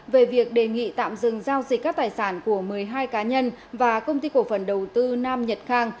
về việc đề nghị tạm dừng giao dịch các tài sản của một mươi hai cá nhân và công ty cổ phần đầu tư nam nhật khang